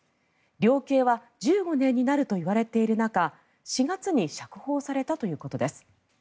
量刑は１５年になるといわれている中４月に釈放されたということです。